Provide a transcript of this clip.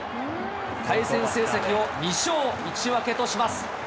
対戦成績を２勝１分けとします。